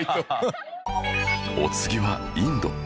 お次はインド